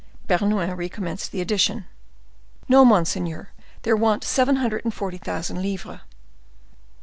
Bernouin recommenced the addition. "No, monseigneur; there want seven hundred and forty thousand livres."